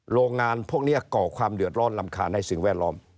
โรงงานพวกนี้ก่อความเดือดร้อนรำคาญในสิ่งแวดล้อม